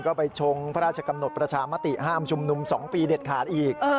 ก็ไปชงพระราชกำหนดประชามติห้ามชุมนุม๒ปีเด็ดขาดอีก